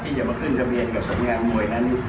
จะมาขึ้นทะเบียนกับสำนักงานมวยนั้น